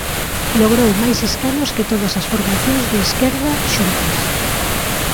Logrou máis escanos que todas as formacións de esquerda xuntas.